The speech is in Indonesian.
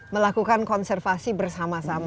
melakukan konservasi bersama sama